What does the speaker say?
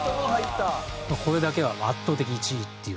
これだけは圧倒的１位っていう。